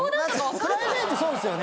プライベートそうですよね。